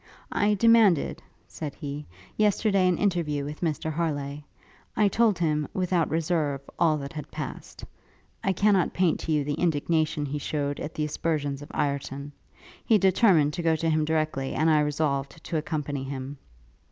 'I demanded,' said he, 'yesterday, an interview with Mr Harleigh. I told him, without reserve, all that had passed. I cannot paint to you the indignation he shewed at the aspersions of Ireton. He determined to go to him directly, and I resolved to accompany him.